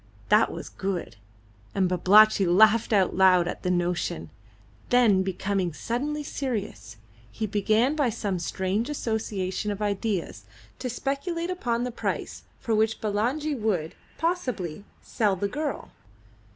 That was good! And Babalatchi laughed aloud at the notion; then becoming suddenly serious, he began by some strange association of ideas to speculate upon the price for which Bulangi would, possibly, sell the girl.